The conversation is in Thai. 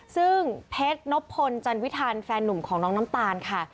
ซึ่งเพชรนบพลจันวิทันแฟนหนุ่มของน้องน้ำตาลค่ะ